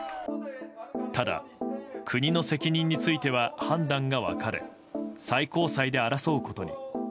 ただ、国の責任については判断が分かれ最高裁で争うことに。